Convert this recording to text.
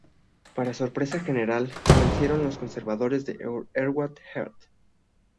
Para sorpresa general, vencieron los conservadores de Edward Heath.